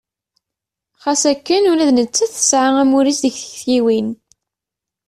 Ɣas akken ula d nettat tesɛa amur-is deg tiktiwin.